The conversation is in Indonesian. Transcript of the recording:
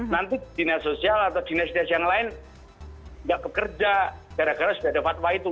nanti dinas sosial atau dinas dinas yang lain tidak bekerja gara gara sudah ada fatwa itu